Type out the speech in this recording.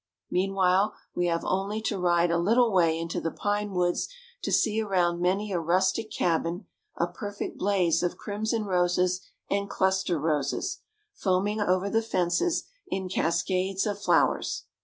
Meanwhile we have only to ride a little way into the pine woods to see around many a rustic cabin a perfect blaze of crimson roses and cluster roses, foaming over the fences in cascades of flowers.